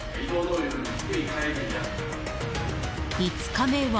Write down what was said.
５日目は。